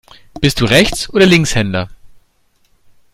Bist du Rechts- oder Linkshänder?